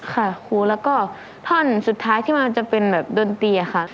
ครูแล้วก็ท่อนสุดท้ายที่มันจะเป็นแบบดนตรีอะค่ะ